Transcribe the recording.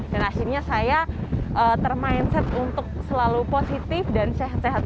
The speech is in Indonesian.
dan hasilnya saya termindset untuk selalu positif dan sehat sehat